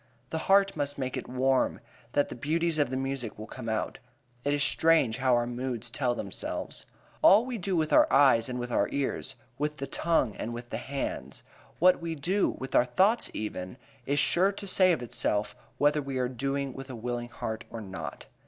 The heart must make it warm, then the beauties of the music will come out. It is strange how our moods tell themselves. All we do with our eyes and with our ears, with the tongue and with the hands, what we do with our thoughts even, is sure to say of itself whether we are doing with a willing heart or not.